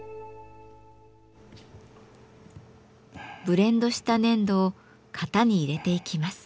ブレンドした粘土を型に入れていきます。